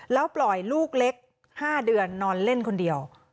แล้วปล่อยลูกเล็ก๕เดือนนอนเล่นคนเดียว